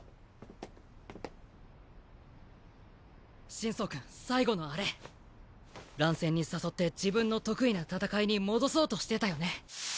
心操くん最後のアレ乱戦に誘って自分の得意な戦いに戻そうとしてたよね！